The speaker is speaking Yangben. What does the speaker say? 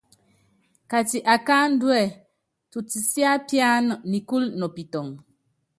Kati akáandúɛ, tutisiápíana nikúlu nɔ pitɔŋ.